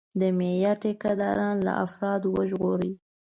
د معیار ټیکهداري له افرادو وژغوري.